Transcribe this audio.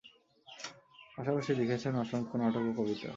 পাশাপাশি লিখেছেন অসংখ্য নাটক ও কবিতা।